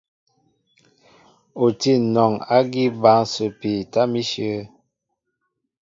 O tí anɔŋ ágí bǎl ǹsəpi tâm íshyə̂.